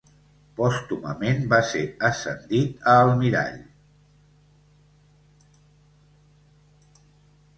Pòstumament va ser ascendit a Almirall.